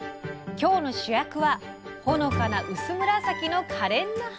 今日の主役はほのかな薄紫のかれんな花。